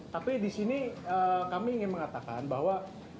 tapi di sini kami ingin mengatakan bahwa